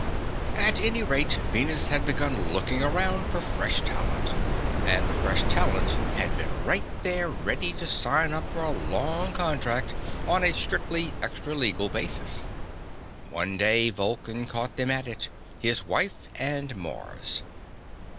At any rate, Venus had begun looking around for fresh talent. And the fresh talent had been right there ready to sign up for a long contract on a strictly extra legal basis. One day Vulcan caught them at it, his wife and Mars.